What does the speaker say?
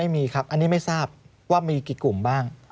ไม่มีครับอันนี้ไม่ทราบว่ามีกี่กลุ่มบ้าง